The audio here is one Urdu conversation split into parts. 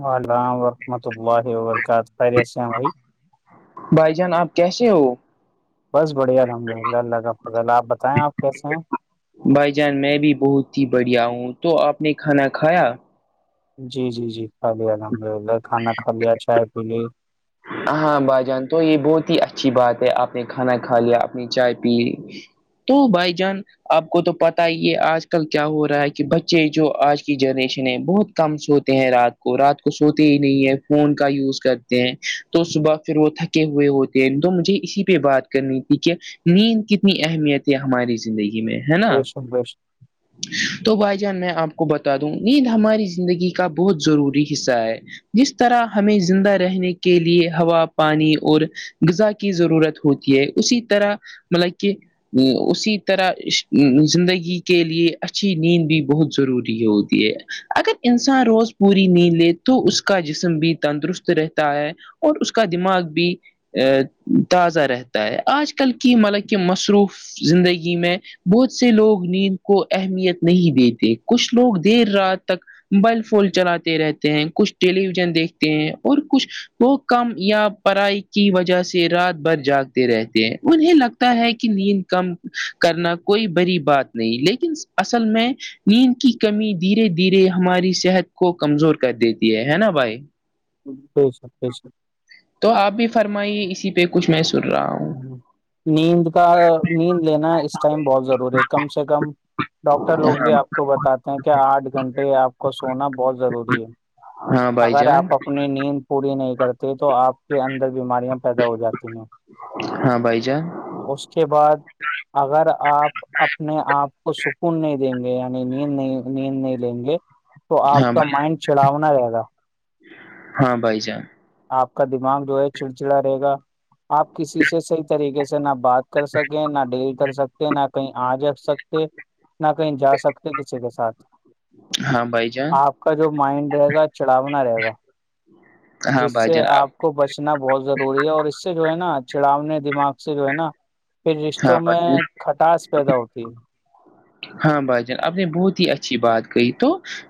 وعلام ورحمۃ اللہ وبرکاتہ خیریس بھائی بھائی جان آپ کیسے ہو بس بڑھیا الحمد ل اللہ اللہفلہ آپ بتائیں آپ کیسے ہیں بھائی جان میں بھی بہت ہی بڑھیا ہوں تو آپ نے کھانا کھایا جی جی جی کھا لیا الحمد للہ کھانا کھا لیا چائے پی لی ہاں بھائی جان تو یہ بہت ہی اچھی بات ہے آپ نے کھانا کھا لیا اپنی چائے پی تو بائی جان آپ کو تو پت ہی ہے آج کل کیا ہو رہا ہے کہ بچے جو آج کی جنریشن ہے بہت کم سوتے ہیں رات کو رات کو سوتے ہی نہیں ہے فون کا یوز کرتے ہیں تو صبح پھر وہ تھکے ہوئے ہوتے ہیں تو مجھے اسی پہ بات کرنی تھی کہ نیند کتنی اہمیتیں ہماری زندگی میں ہے نا بے شک [inaudible] تو بھائی جان میں آپ کو بتا دوں نیند ہماری زندگی کا بہت ضروری حصہ ہے جس طرح ہمیں زندہ رہنے کے لیے ہوا پانی اور غذا کی ضرورت ہوتی ہے اسی طرح مطلب کہ اسی طرح زندگی کے لیے اچھی نیند بھی بہت ضروری ہوتی ہے اگر انسان روز پوری نیند لے تو اس کا جسم بھی تندرست رہتا ہے اور اس کا دماغ بھی تازہ رہتا ہے آج کل کی ملب کہ مصروف زندگی میں بہت سے لوگ نیند کو اہمیت نہیں دیتے کچھ لوگ دیر رات تک موبائل فون چلاتے رہتے ہیں کچھ ٹیلی ویژن دیکھتے ہیں اور کچھ وہ کم یا پرائی کی وجہ سے رات بھر جاگتے رہتے ہیں انہیں لگتا ہے کہ نیند کم کرنا کوئی بریی بات نہیں لیکن اصل میں نیند کی کمی دھیرے دھیرے ہماری صحت کو کمزور کر دیتی ہے نا بھائی پی سر پی سر تو آپ بھی فرمائیے اسی پہ کچھ میں سن رہا ہوں نیند کا نیند لینا اس ٹائم بہت ضروری ہے کم سے کم ڈاکٹر لوگ بھی ہاں آپ کو بتاتے ہیں کہ آٹھ گھنٹے آپ کو سونا بہت ضروری ہے ہاں بھائی اگر جان آپ اپنی نیند پوری نہیں کرتے تو آپ کے اندر بیماریاں پیدا ہو جاتی ہیں ہاں بھائی جا اس کے بعد اگر آپ اپنے آپ کو سکون نہیں دیں گے یعنی نیند نہیں نیند نہیں لیں گے تو آپ ہاں کا بھائی مائنڈ چڑھاونا رہے گا ہاں بھائی جان آپ کا دماغ جو ہے چڑچڑا رہے گا آپ کسی سے صحیح طریقے سے نہ بات کر سکیں نہ ڈیل کر سکتے ہیں نہ کہیں آ جا سکتے نہ کہیں جا سکتے کسی کے ساتھ ہاں بھائی جان آپ کا جو مائنڈ رہے گا چڑھاونا رہے گا [unintelligible] جس بھائی سے جان آپ کو بچنا بہت ضروری ہے اور اس سے جو ہے نا چڑاونے دماغ سے جو ہے نا پھر ہاں رشتوں بھائی میں جان کھٹاس پیدا ہوتی ہے ہاں بھائی جان آپ نے بہت ہی اچھی بات کہی تو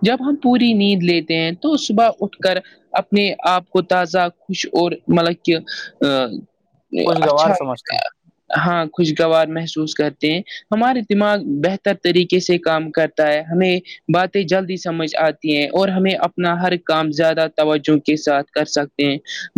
جب ہم پوری نیند لیتے ہیں تو صبح اٹھ کر اپنے آپ کو تازہ خوش اور مطلب کہ ا خوشگوار اچھا سمجھتا ہوں ہاں خوشگوار محسوس کرتے ہیں ہمارے دماغ بہتر ر طریقے سے کام کرتا ہے ہمیں باتیں جلدی سمجھ آتی ہیں اور ہمیں اپنا ہر کام زیادہ توجہ کے ساتھ کر سکتے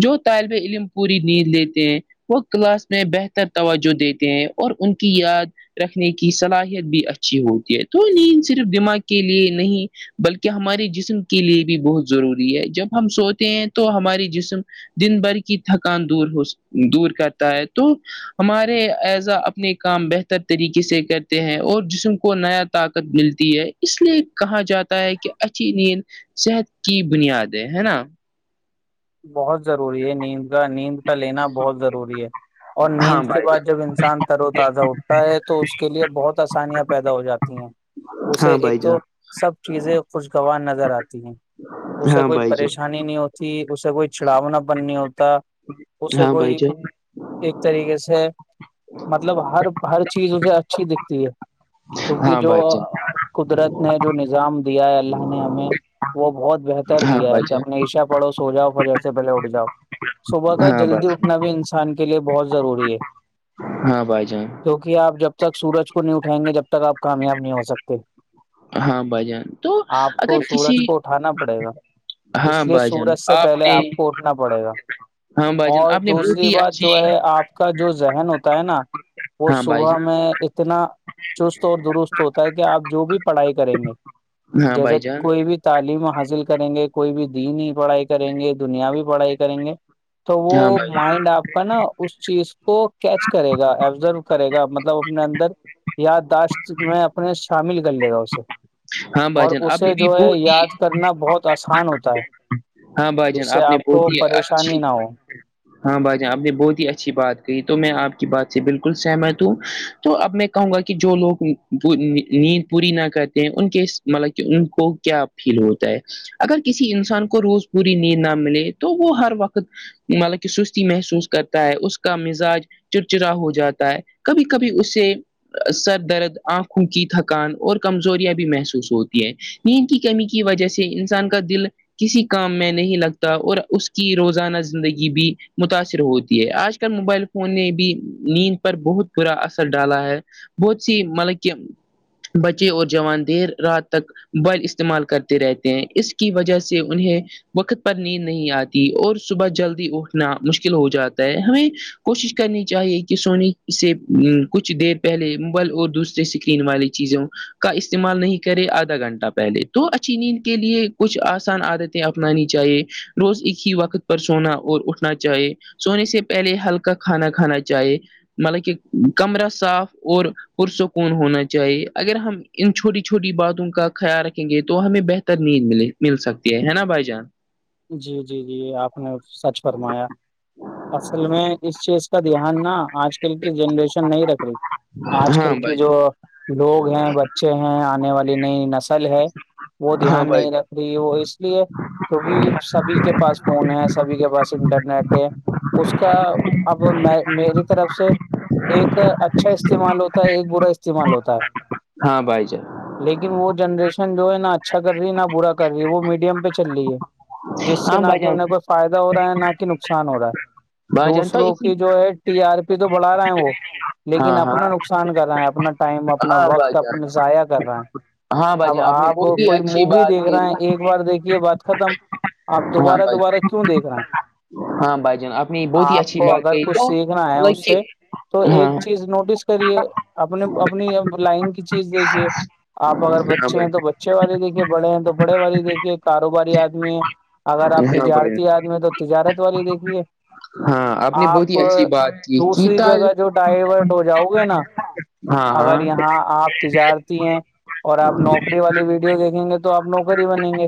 جو طالب علم پوری نیند لیتے ہیں وہ کلاس میں بہتر توجہ دیتے ہیں اور ان کی یاد رکھنے کی صلاحیت بھی اچھی ہوتی ہے تو نیند صرف دماغ کے لیے نہیں بلکہ ہمارے جسم کے لیے بھی بہت ضروری ہے جب ہم سوتے ہیں تو ہماراری جسم دن بھر کی تھکان دور ہو دور کرتا ہے تو ہمارے ایزا اپنے کام بہتر طریقے سے کرتے ہیں اور جسم کو نیا طاقت ملتی ہے اس لیے کہا جاتا ہے کہ اچی نیند صحت کی بنیادیں ہے نا بہت ضروری ہے نیند کا نیند لینا بہت ضروری ہے اور ہاں نیند کے بھائی بعد جان جب انسان تر و تازہ اٹھتا ہے تو اس کے لیے بہت آسانیاں پیدا ہو جاتی ہیں اسے ہاں ایک بھائی تو جان سب چیزیں خوشگوار نظر آتی ہیں اسے ہاں کوئی بھائی جان پریشانی نہیں ہوتی اسے کوئی چھڑاونا بننی ہوتا اسے ہاں بھائی کوئی جان ایک طریقے سے مطلب ہر ہر چیز اسے اچھی دکھتی ہے کیونکہ ہاں جو بھائی جان قدرت نے جو نظام دیا ہے اللہ نے ہمیں وہ بہت بہتر ہاں دیا بھائی ہے کہ جان اپنے ایشا پڑھو سو جاؤ اور جیس سے پہلےٹھ جاؤ صبح کا ہاں جلدی بھائی اٹھنا بھی انسان کے لیے بہت ضروری ہے ہاں بھائی جان کیوںکہ آپ جب تک سورج کو نہیں اٹھائیں گے جب تک آپ کامیاب نہیں ہو سکتے ہاں بھائی جان تو آپ کو اگر کسی سورج کو اٹھانا پڑے گا اس لیے بھائی جان سورج سے پہلے آپ کو اٹھنا پڑے گا ہاں بھائی جان اور آپ نے بہت دوسری ہی بات اچھی جو ہے آپ کا جو ذہن ہوتا ہے نا وہ ہاں بھائی صبح جان میں اتنا چست اور درست ہوتا ہے کہ آپ جو بھی پڑھائی کریں گے ہاں جیسے بھائی جان کوئی بھی تعلیم حاصل کریں گے کوئی بھی دینی پڑھائی کریں گے دنیاوی پڑھائی کریں گے تو ہاں وہ بھائی مائنڈ آپ نا اس چیز کو کیچ کرے گا ایبزرو کرے گا مطلب اپنے اندر یادداشت میں اپنے شامل کر لے گا اسے جان ہاں بھائی اور جان آپ اسے نے بھی جو ہے بہت ہی یاد کرنا بہت آسان ہوتا ہے ہاں بھائی جان جس سے نے آپ بہت کو ہی اچھی پریشانی نہ ہو ہاں باجا آپ نے بہت ہی اچھی بات کہی تو میں آپ کی بات سے بالکل سہمت ہوں تو اب میں کہوں گا کہ جو لوگ نیند پوری نہ کرتے ہیں ان کے مطلب کہ ان کو کیا فیل ہوتا ہے اگر کسی انسان کو روز پوری نیند نہ ملے تو وہ ہر وقت مطلب سستی محسوس کرتا ہے اس کا مزاج چڑچڑا ہو جاتا ہے کبھی کبھی اسے سر درد آنکھوں کی تھکان اور کمزوریاں بھی محسوس ہوتی ہے میند کی کمی کی وجہ سے انسان کا دل کسی کام میں نہیں لگتا اور اس کی روزانہ زندگی بھی متاثر ہوتی ہے آج کل موبائل فون نے بھی نیند پر بہت برا اثر ڈالا ہے بہت سی مطلب کہ بچے اور جوان دیر رات تک بل استعمال کرتے رہتے ہیں اس کی وجہ سے انہیں وقت پر نیند نہیں آتی اور صبح جلدی اٹھنا مشکل ہو جاتا ہے ہمیں کوشش کرنی چاہیے کہ سونے سے کچھ دیر پہلے موبائل اور دوسرے اسکرین والی چیزوں کا استعمال نہیں کرے آدھا گھنٹہ پہلے تو اچھی نیند کے لیے کچھ آسان عادت اپنانی چاہیے روز ایک ہی وقت پر سونا اور اٹھ چاہیے سونے سے پہلے ہلکا کھانا کھانا چاہیے مطلب کہ کمر صاف اور پرسکون ہونا چاہیے اگر ہم ان چھوٹی چھوٹی باتوں کا خیال رکھیں گے تو ہمیں بہتر نیند م مل سکتی ہے نا بھائی جان جی جی جی آپ نے سچ فرمایا اصل میں اس چیز کا دھیان نا آج کل کی جنریشن نہیں رکھ رہی آج ہاں کل کی بھائی جو لوگ ہیں بچے ہیں آنے والی نئی نسل ہے وہ ہاں دھیان بھائی نہیں رکھ ی وہ اس لیے کیونکہ سبھی کے پاس فون ہے سبھی کے پاس انٹرنیٹ ہے اس کا اب میری طرف سے ایک اچھا استعمال ہوتا ہے ایک برا استعمال ہوتا ہے ہاں بائی جائے لیکن وہ جنریشن جو ہے نہا اچھا کر رہی ہے نہ برا کر رہی ہے وہ میڈیم پہ چل رہی ہے جس سے ہاں نہ بھائی کہ جان انہیں کوئی فائدہ ہو رہا ہے نہ کہ نقصان ہو رہا ہے بھائی جان تو دوسروں اسی کی جو ہے ٹی آر پی تو بڑھا رہا ہے وہ ہاں لیکن ہاں اپنا نقصان کر رہا ہے اپنا ٹائم اپنا ہاں بھائی وقت اپنا جان ضائع کر رہا ہے ہاں بھائی اب جان نے آپ بہت ہی کوئی اچھی مووی بات دیکھ رہا کہی ہیں ایک ایک بار دیکھیے بات ختم آپ ہاں دوبارہ بھائی دوبارہ کیوں دیکھ رہے ہیں ہاں بھائی جان آپ نے بہت ہی آپ اچھی کو بات اگر کہی کچھ تو سیکھنا ہے مطلب اس کہ سے تو ایک ہاں چیز نوٹس کرے اپنے اپنی لائن کی چیز دیکھیے آپ اگر ہاں بچے ہیں تو بھائی اچھے والے دیکھیے بڑے ہیں تو بڑے والے دیکھیے کاروباری آدمی ہیں اگر آپ ہاں بھائی تجارتی آدمی ہیں تو تجارت والی دیکھیے ہاں نے بہت آپ ہی اچھی بات کی کی دوسری تال جگہ جو ڈائیورٹ ہو جاؤ گے نا ہاں اگر ہاں یہاں آپ تجارتی ہیں اور آپ نوکری والی ویڈیو دیکھیں گے تو آپ نوکری بنیں گے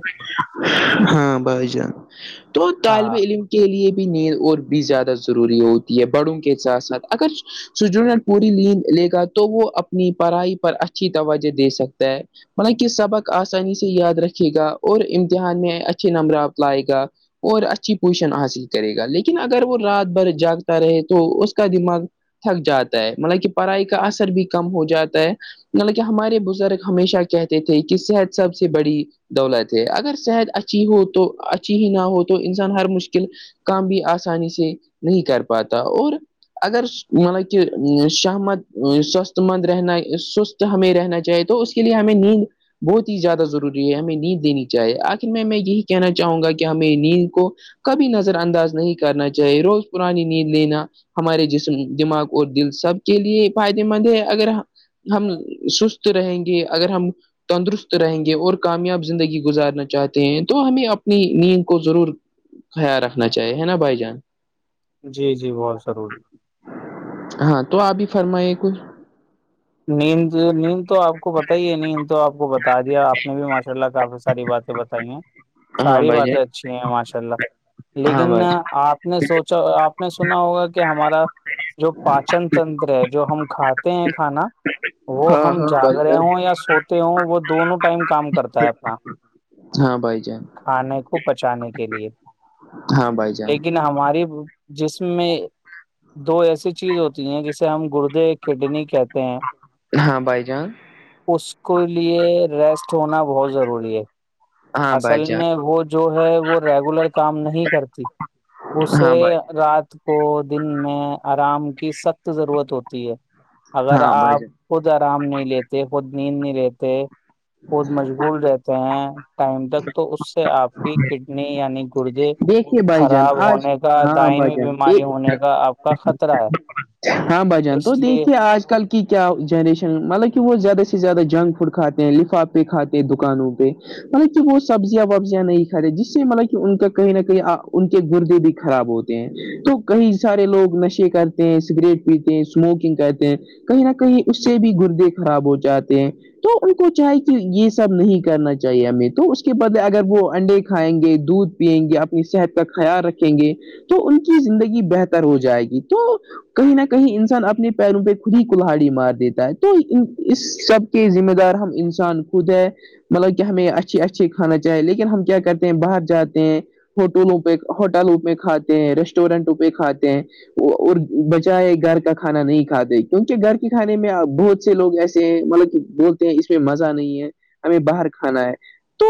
ہاں بھائی جان تو طالب ہاں علم کے لیے بھی نیند اور بھی زیادہ ضروری ہوتی ہے بڑوں کے ساتھ ساتھ اگر سج پوری لیند لے گا تو وہ اپنی پڑھائی پر اچھی توجہ دے سکتا ہے مطب کہ سبق آسانی سے یاد رکھے گا اور امتحان میں اچھے نمبرات لائے گا اور اچھی پوزیشن حاصل کرے گا لیکن اگر وہ رات بھر جاگتا رہے تو اس کا دماغ تھک جاتا ہے مطلب کہ پڑھائی کا اثر بھی کم ہو جاتا ہے مطلب کہ ہمارے بزرگ ہمیشہ کہتے تھے کہ صحت سب سے بڑی دولت ہے اگر صحت اچھی ہو تو اچھی ہی نہ ہو تو انسان ہر مشکل کام بھی آسانی سے نہیں کر پاتا اور اگر مطلب کہہ شہمد سست مند رہن س ہمیں رہنا چاہے تو اس کے لیے ہمیں نیند بہت ہی زیادہ ضروری ہے ہمیں نیند دینی چاہیے آ میں میں یہی کہنا چاہوں گا کہ ہمیں نیند کو کبھی نظر انداز نہیں کرنا چاہیے روز پرانی نیند لینا ہمارے جسم دماغ اور دل سب کے لیے فائدے مند ہے اگر ہم سست رہیں گے اگر ہم تندرست رہیں گے اور کامیاب زندگی گزارنا چاہتے ہیں تو ہمیں اپنی نیند کو ضرور خیال رکھنا چاہیے ہے نا بھائی جان جی جی بہت ضروری ہاں تو آپ بھی فرمائی کچھ نیند نیند تو آپ آپ کو بتائیے نہیں تو آپ کو بتا دیا آپ نے بھی ماشاء اللہ کافی ساری باتیں بتائی ہیں ہاں ساری بھائی باتیں جان اچھی ہیں ماشاء اللہ ہاں لیکن بھائی آپ نے سوچا آپ نے سنا ہوگا کہ ہمارا جو پاچن تنتر ہے جو ہم کھاتے ہیں کھانا وہ ہاں ہم جاگ رہے ہوں یا سوتے ہوں وہ دونوں ٹائم کام کرتا ہے اپنا ہاں بھائی جان کھانے کو بچانے کے لیے ہاں بھائی جان لیکن ہماری جس میں دو ایسی چیز ہوتی ہیں جسے ہم گردے کڈنی کہتے ہیں ہاں بھائی جان اس کے لیے ریسٹ ہونا بہت ضروری ہے ہاں اصل بھائی جان میں وہ جو ہے وہ ریگولر کام نہیں کرتی ہاں بھائی جان اسے ہاں بھائی رات کو دن میں آرام کی سخت ضرورت ہوتی ہے اگر ہاں بھائی آپ جان خود آرام نہیں لیتے خود نیند نہیں رہتے خود مشغول رہتے ہیں ٹائم تک تو اس سے آپ کی کڈنی یعنی گدے دیکھیے بھائی جان خراب آج ہونے کا ہاں بھائی دائمی جان بیماری دیکھ ہونے کا آپ کا خطرہ ہے ہاں بھجان اس تو لیے دیکھیے آج کل کہ کیا جنریشن مطلب کہ وہ زیادہ سے زیادہ جنک فوڈ کھاتے ہیں لفاف پہ کھاتے دکانوں پہ مطلب کہ وہ سبزیاں وبزیاں نہیں کھاتے جس سے مطلب کہ ان کا کہیں نہ کہیں ان کے گردے بھی خراب ہوتے تو کئی سارے لوگ نشے کرتے ہیں سگریٹ پیتے ہیں اسموکنگ کرتے ہیں کہیں نہ کہیں اس سے بھی گردے خراب ہو جاتے ہیں تو ان کو چاہے کہ یہ سب نہیں کرنا چاہیے ہمیں تو اس کے بدلے اگر وہ انڈے کھائیں گے دودھ گے اپنی صحت کا خیال رکھیں گے تو ان کی زندگی بہتر ہو جائے گی تو کہیں نہ کہیں انسان اپنے پیروں پہ خود ہی کلہلہاڑی مار دیتا ہے تو اس سب ذمہ دار ہم انسان خود ہے مطلب کہ ہمیں اچھی اچھی کھانا چاہی لیکن ہم کیا کرتے ہیں باہر جاتے ہیں ہوٹلوں پہ ہوٹلوں پہ کھاتے ہیں ریسٹورینٹوں پہ کھاتے ہیں بچائے گھر کا کھانا نہیں کھاتے کیونکہ گھر کے کھانے میں بہت سے لوگ ایسے ہیں مطلب کہ بہت اس میں مزہ نہیں ہے ہمیں باہر کھانا ہے تو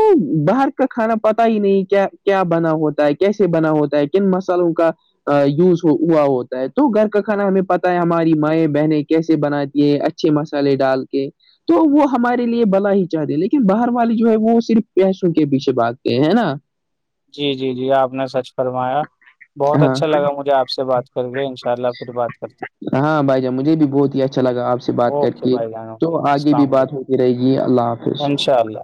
باہر کا کھانا پتا ہی نہیں کیا کیا بنا ہوتا ہے کیسے بنا ہوتا ہے کن مسالوں کا یوز ہو ہوا ہوتا ہے تو گھر کا کھانا ہمیں پتا ہے ہماری مائیں بہنیں کیسے بناتی ہے اچھے مسالے ڈال کے تو وہ ہمارے لیے بلا ہی چاہتے لیکن باہر والی جو ہے وہ صرف پیسوں کے پیچھے بات یہ ہے نا جی جی جی آپ نے سچ فرمایا بہت ہاں اچھا لگا مجھے آپ سے بات کر کے انء شء اللہ پھر بات کرتے ہاں بھائی جان مجھے بھی بہت ہی اچھا لگا آپ سے ہیں۔ بات کر اوکے کے بھائی جان تو اوکے آگے بھی السلام بات ہو علیکم رہے گی اللہ حافظ انشاء اللہ